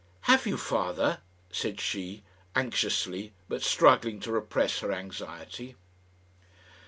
"Have you, father?" said she, anxiously, but struggling to repress her anxiety.